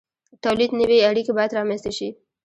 د تولید نوې اړیکې باید رامنځته شي.